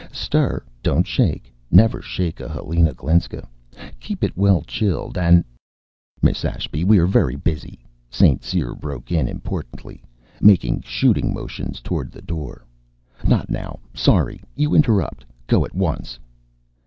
"Stir, don't shake. Never shake a Helena Glinska. Keep it well chilled, and " "Miss Ashby, we are very busy," St. Cyr broke in importantly, making shooing motions toward the door. "Not now. Sorry. You interrupt. Go at once."